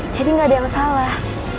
jadi gak ada yang salah